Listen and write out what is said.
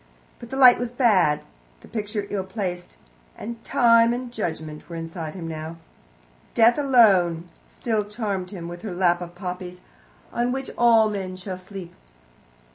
But the light was bad, the picture ill placed, and Time and Judgment were inside him now. Death alone still charmed him, with her lap of poppies, on which all men shall sleep.